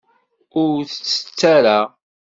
Ur tt-tett ara.